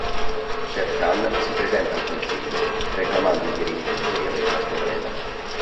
Shere Khan si presenta al consiglio, reclamando il diritto di riavere la sua preda.